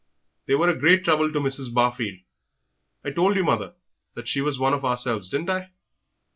They were a great trouble to Mrs. Barfield I told you, mother, that she was one of ourselves, didn't I?"